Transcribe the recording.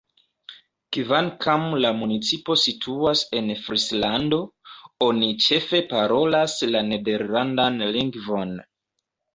Kvankam la municipo situas en Frislando, oni ĉefe parolas la nederlandan lingvon.